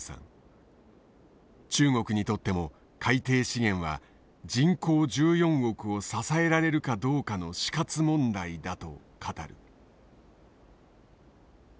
中国にとっても海底資源は人口１４億を支えられるかどうかの死活問題だと語る。